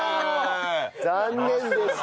残念でした。